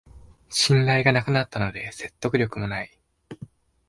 信頼がなくなったので説得力もない